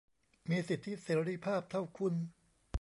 มีสิทธิเสรีภาพเท่าคุณ